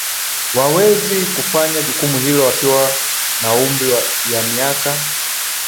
wawezi kufanya jukumu hilo akiwa na umri ya miaka